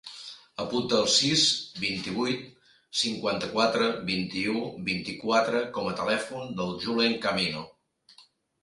Apunta el sis, vint-i-vuit, cinquanta-quatre, vint-i-u, vint-i-quatre com a telèfon del Julen Camino.